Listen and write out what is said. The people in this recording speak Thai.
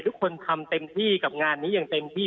ทุกคนทำเต็มที่กับงานนี้อย่างเต็มที่